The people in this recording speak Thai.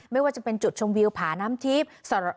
ไม่ว่าจะเป็นจุดชมวิวผาน้ำทิพย์